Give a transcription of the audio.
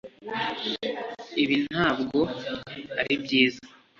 ibi ntabwo ari byiza